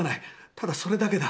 ただそれだけだ。